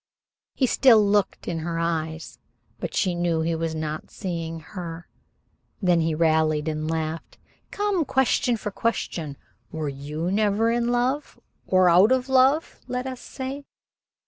He still looked in her eyes, but she knew he was not seeing her. Then he rallied and laughed. "Come, question for question. Were you never in love or out of love let us say?"